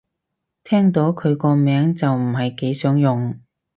聽到佢個名就唔係幾想用